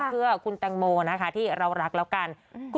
เพื่อคุณแตงโมนะคะที่เรารักแล้วกัน